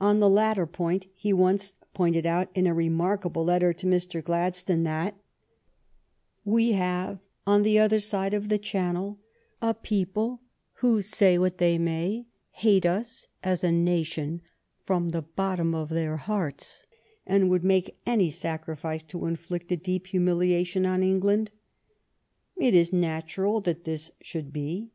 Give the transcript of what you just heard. On the latter point he once pointed out, in a remarkable letter to Mr. Glad stone, that— We haye on the other side of the Channel a people who, say what they may, hate ns as a nation from the bottom of their hearts, and would make any sacrifice to inflict a deep humiliation on England. It is natural that this should be.